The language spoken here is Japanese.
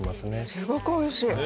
すごくおいしい。